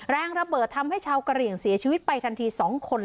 แรงระเบิดทำให้ชาวกะเหลี่ยงเสียชีวิตไปทันที๒คน